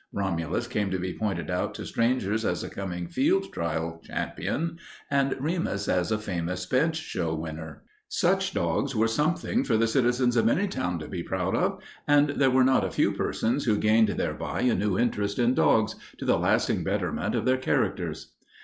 Romulus came to be pointed out to strangers as a coming field trial champion, and Remus as a famous bench show winner. Such dogs were something for the citizens of any town to be proud of. And there were not a few persons who gained thereby a new interest in dogs, to the lasting betterment of their characters.